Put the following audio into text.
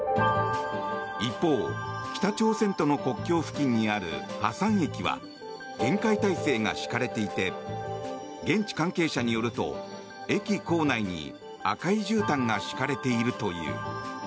一方、北朝鮮との国境付近にあるハサン駅は厳戒態勢が敷かれていて現地関係者によると駅構内に赤いじゅうたんが敷かれているという。